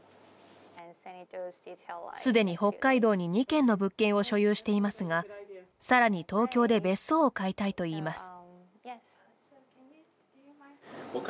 すでに北海道に２件の物件を所有していますがさらに東京で別荘を買いたいといいます。